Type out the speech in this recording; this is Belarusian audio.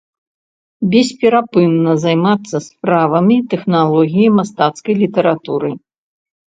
Бесперапынна займацца справамі тэхналогіі мастацкай літаратуры.